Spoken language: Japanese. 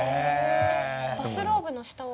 バスローブの下は？